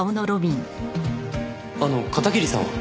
あの片桐さんは？